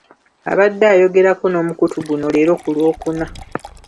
Abadde ayogerako n'omukutu guno leero ku Lwokuna.